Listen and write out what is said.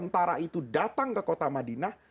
tentara itu datang ke kota madinah